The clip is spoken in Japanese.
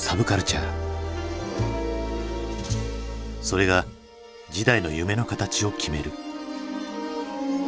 それが次代の夢の形を決める。